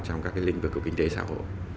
trong các lĩnh vực của kinh tế xã hội